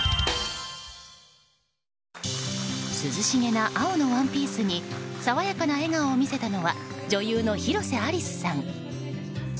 涼しげな青のワンピースに爽やかな笑顔を見せたのは女優の広瀬アリスさん。